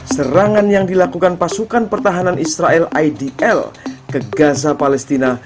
serangan yang dilakukan pasukan pertahanan israel idl ke gaza palestina